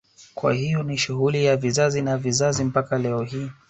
Kwa hiyo ni shughuli ya vizazi na vizazi mpaka leo hii